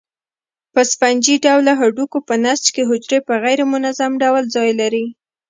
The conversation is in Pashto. په سفنجي ډوله هډوکو په نسج کې حجرې په غیر منظم ډول ځای لري.